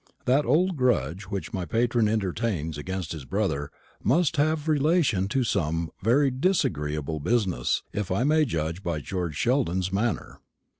That old grudge which my patron entertains against his brother must have relation to some very disagreeable business, if I may judge by George Sheldon's manner.